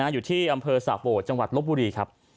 อยู่ที่อำเภอสะโบดจังหวัดลบบุรีครับ